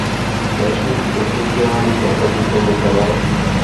Dalším potenciálním zákazníkem je Kanada.